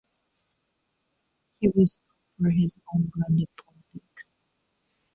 He was known for his own brand of politics.